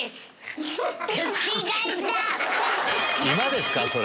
今ですか？